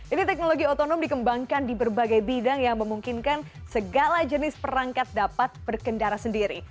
ini teknologi otonom dikembangkan di berbagai bidang yang memungkinkan segala jenis perangkat dapat berkendara sendiri